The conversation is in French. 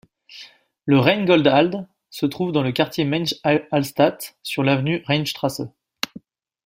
Le Rheingoldhalle se trouve dans le quartier Mainz-Altstadt, sur l'avenue Rheinstraße.